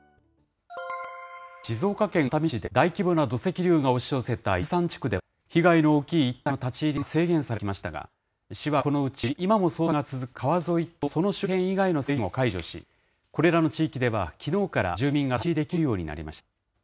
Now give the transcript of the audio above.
静岡県熱海市で大規模な土石流が押し寄せた伊豆山地区では、被害の大きい一帯の立ち入りが制限されてきましたが、市はこのう今も捜索が続く川沿いとその周辺以外の制限を解除し、これらの地域ではきのうから住民が立ち入りできるようになりました。